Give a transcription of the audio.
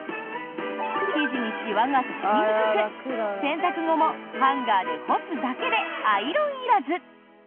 生地にしわがつきにくく洗濯後もハンガーで干すだけでアイロンいらず。